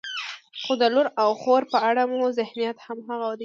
خو د لور او خور په اړه مو ذهنیت همغه دی.